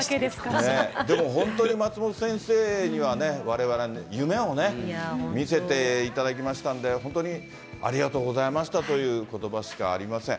でも本当に松本先生にはわれわれ、夢をね、見せていただきましたんで、本当にありがとうございましたということばしかありません。